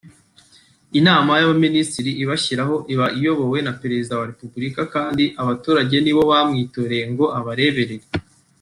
Inama y’Abaminisitiri ibashyiraho iba iyobowe na Perezida wa Repubulika kandi abaturage nibo bamwitoreye ngo abareberere